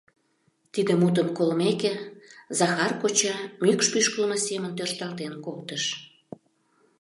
Тиде мутым колмеке, Захар коча мӱкш пӱшкылмӧ семын тӧршталтен колтыш.